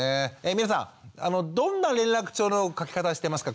皆さんどんな連絡帳の書き方してますか？